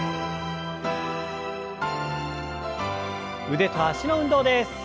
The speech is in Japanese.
腕と脚の運動です。